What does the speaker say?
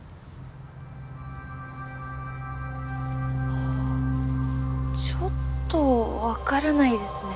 あっちょっとわからないですね。